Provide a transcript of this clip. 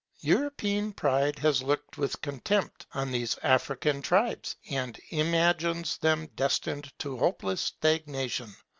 European pride has looked with contempt on these African tribes, and imagines them destined to hopeless stagnation.